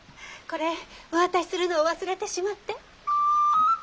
これお渡しするのを忘れてしまって。